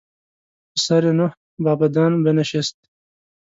پسر نوح با بدان بنشست.